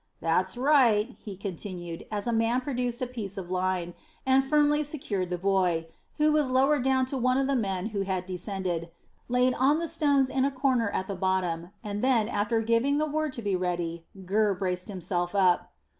That's right," he continued, as a man produced a piece of line, and firmly secured the boy, who was lowered down to one of the men who had descended, laid on the stones in a corner at the bottom; and then, after giving the word to be ready, Gurr braced himself up.